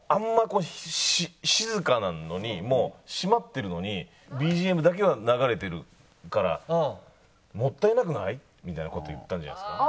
こう静かなのにもう閉まってるのにＢＧＭだけは流れてるからもったいなくない？みたいな事言ったんじゃないですか？